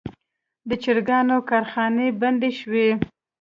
د چرګانو کارخانې بندې شوي.